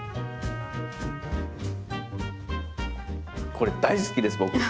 これ大好きです僕。